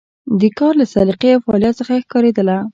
د کار له سلیقې او فعالیت څخه ښکارېدله.